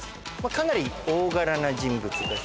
かなり大柄な人物です。